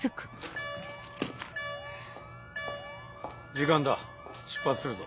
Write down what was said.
時間だ出発するぞ。